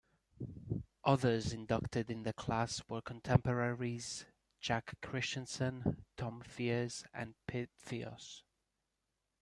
Others inducted in the class were contemporaries Jack Christiansen, Tom Fears, and Pete Pihos.